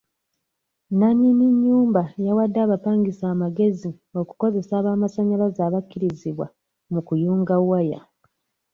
Nnannyini nnyumba yawadde abapangisa amagezi okukozesa abaamasannyalaze abakkirizibwa mu kuyunga waya.